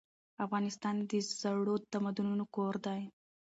افغانستان د زړو تمدنونو کور دی.